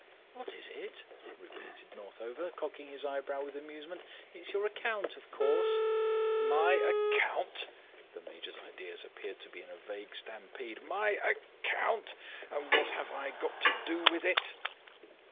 "What is it?" repeated Northover, cocking his eyebrow with amusement. "It's your account, of course." "My account!" The Major's ideas appeared to be in a vague stampede. "My account! And what have I got to do with it?"